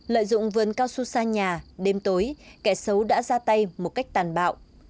lợi dụng vườn cao su xa nhà đêm tối kẻ xấu đã ra tay một cách tàn bạo